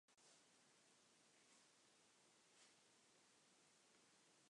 East Lothian Council provides Reserve Wardens.